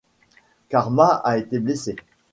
Karma a été blessé.